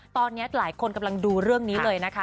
ตอนนี้หลายคนกำลังดูเรื่องนี้เลยนะคะ